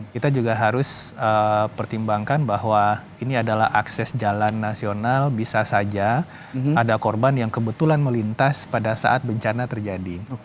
kita juga harus pertimbangkan bahwa ini adalah akses jalan nasional bisa saja ada korban yang kebetulan melintas pada saat bencana terjadi